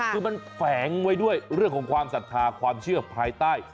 คือมันแฝงไว้ด้วยเรื่องของความศรัทธาความเชื่อภายใต้